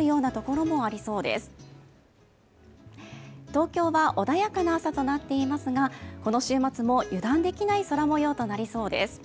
東京は穏やかな朝となっていますがこの週末も油断できない空もようとなりそうです。